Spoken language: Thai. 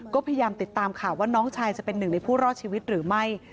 ก็พยายามติดตามข่าวว่าน้องชายจะเป็นหนึ่งในผู้รอดชีวิตหรือไม่